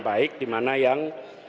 baik dimana yang